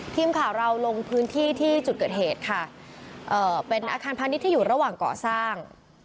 ทีมข่าวเราลงพื้นที่ที่จุดเกิดเหตุค่ะเอ่อเป็นอาคารพาณิชย์ที่อยู่ระหว่างก่อสร้าง